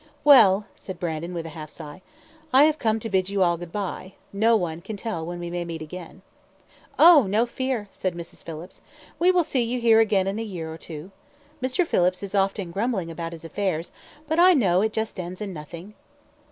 "Well", said Brandon, with a half sigh, "I have come to bid you all goodbye; no one can tell when we may meet again." "Oh! no fear," said Mrs. Phillips, "we will see you here again in a year or two. Mr. Phillips is often grumbling about his affairs, but I know it just ends in nothing."